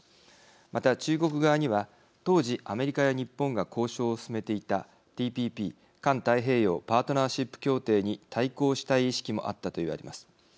また、中国側には当時、アメリカや日本が交渉を進めていたＴＰＰ＝環太平洋パートナーシップ協定に対抗したい意識もあったと言われます。